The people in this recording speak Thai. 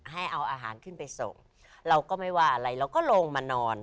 ให้เอาอาหารขึ้นไปส่งเราก็ไม่ว่าอะไรเราก็ลงมานอน